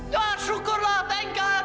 ya syukurlah thank god